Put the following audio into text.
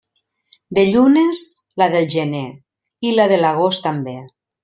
De llunes, la del gener i la de l'agost també.